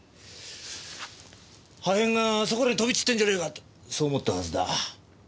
破片がそこらに飛び散ってんじゃねえかってそう思ったはずだ。